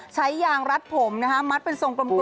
ใช้ยางรัดผมนะฮะมัดเป็นทรงกลม